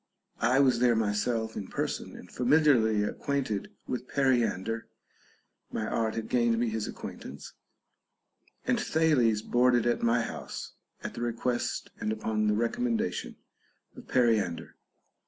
I was there myself in person and familiarly acquainted with Periander (my art had gained me his acquaintance) ; and Thales boarded at my house, at the request and upon the recommendation of Periander.